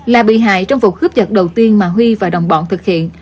là bị hại trong vụ cướp giật đầu tiên mà huy và đồng bọn thực hiện